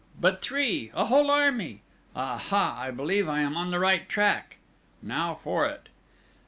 But three! A whole army! Ah, ha, I believe I am on the right track! Now for it!"